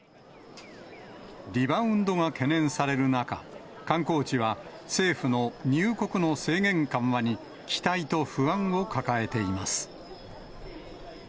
リバウンドが懸念される中、観光地は、政府の入国の制限緩和に期待と不安を抱えています。